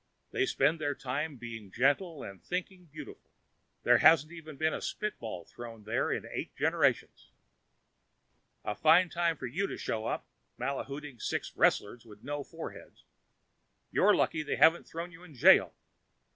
They spend their time being gentle and thinking beautiful. There hasn't even been a spitball thrown there in eight generations. A fine place for you to show up mahouting six wrestlers with no foreheads. You're lucky they haven't thrown you in jail.